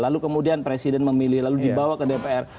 lalu kemudian presiden memilih lalu dibawa ke dpr